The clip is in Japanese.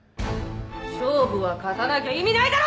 勝負は勝たなきゃ意味ないだろ‼